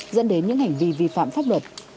dẫn đến những hành vi vi phạm pháp luật